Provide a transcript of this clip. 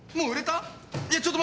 いやちょっと待ってよ。